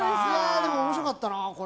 でも、面白かったな。